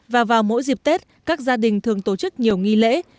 và vào mỗi dịp tết các gia đình thường tổ chức nhiều nghi lễ